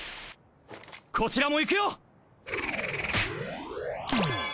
こちらもいくよ！